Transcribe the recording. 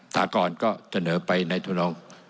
ทากรก็เสนอไปในทุนองค์